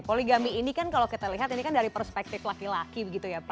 poligami ini kan kalau kita lihat ini kan dari perspektif laki laki begitu ya pak